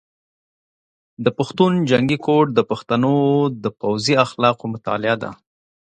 د پښتون جنګي کوډ د پښتنو د پوځي اخلاقو مطالعه ده.